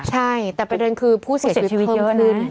ใช่แต่ประเด็นคือผู้เสียชีวิตเยอะนะ